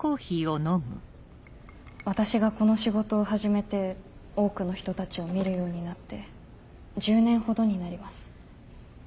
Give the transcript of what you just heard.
私がこの仕事を始めて多くの人たちを見るようになって１０年ほどになります。